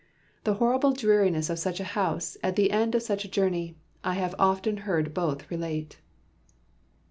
The horrible dreariness of such a house, at the end of such a journey, I have often heard both relate."